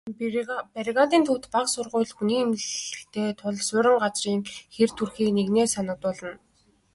Бригадын төвд бага сургууль, хүний эмнэлэгтэй тул суурин газрын хэр төрхийг нэгнээ санагдуулна.